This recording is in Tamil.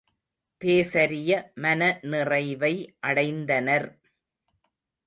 பேசரிய மனநிறைவை அடைந்தனர்.